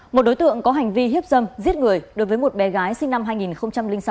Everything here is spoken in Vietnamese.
một đối tượng có hành vi hiếp dâm giết người đối với một bé gái sinh năm hai nghìn sáu